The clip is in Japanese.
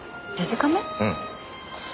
うん。